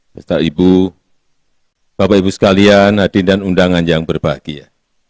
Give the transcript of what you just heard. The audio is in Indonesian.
beserta ibu bapak ibu sekalian hadirin dan undangan yang berbahagia